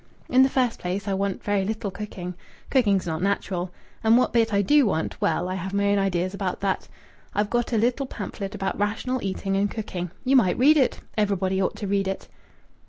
In the first place, I want very little cooking. Cooking's not natural. And what bit I do want well, I have my own ideas about it, I've got a little pamphlet about rational eating and cooking. You might read it. Everybody ought to read it."